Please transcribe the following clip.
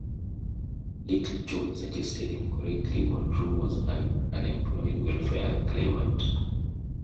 Littlejohn suggested incorrectly Monroe was an unemployed welfare claimant.